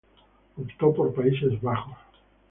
Optó por Países Bajos.